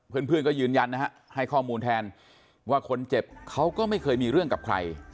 เพื่อนก็ยืนยันนะฮะให้ข้อมูลแทนว่าคนเจ็บเขาก็ไม่เคยมีเรื่องกับใคร